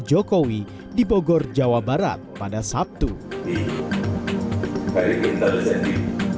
jokowi di bogor jawa barat pada saat ini